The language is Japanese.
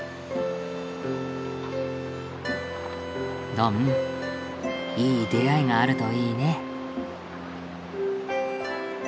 ドンいい出会いがあるといいね。